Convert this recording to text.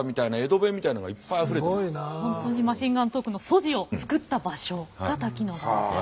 本当にマシンガントークの素地を作った場所が滝野川と。